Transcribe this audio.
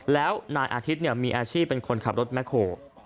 แล้วนายอาทิตย์มีอาชีพเป็นคนขับรถแคล